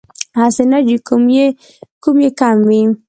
هسې نه چې کوم يې کم وي